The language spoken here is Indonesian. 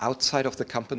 di luar dunia perusahaan